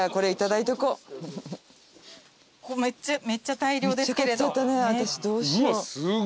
めっちゃ大量ですけれど。